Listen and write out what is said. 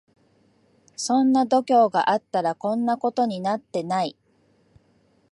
そんな度胸があったらこんなことになってない